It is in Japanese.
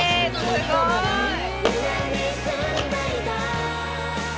すごい！